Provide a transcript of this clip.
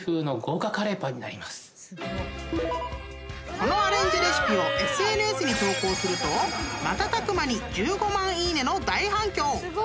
［このアレンジレシピをＳＮＳに投稿すると瞬く間に１５万いいねの大反響］